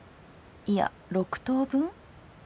いや６等分。